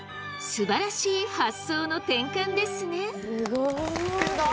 すばらしい発想の転換ですね！